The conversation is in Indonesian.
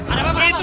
apa pak rt